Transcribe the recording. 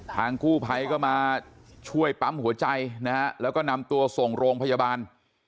กู้ภัยก็มาช่วยปั๊มหัวใจนะฮะแล้วก็นำตัวส่งโรงพยาบาล